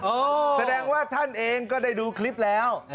อ๋อเหรอครับแสดงที่ท่านเองได้ดูคลิปแล้ว